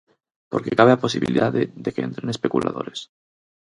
Porque cabe a posibilidade de que entren especuladores.